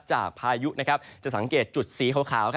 จากพายุนะครับจะสังเกตจุดสีขาว